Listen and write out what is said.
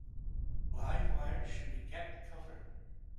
Live wires should be kept covered.